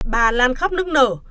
bà lan khóc nức nở